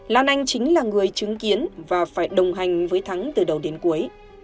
lan anh chính là người chứng kiến và phải đồng hành với thắng từ đầu đến cuối